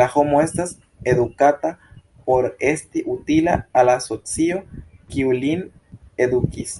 La homo estas edukata por esti utila al la socio, kiu lin edukis.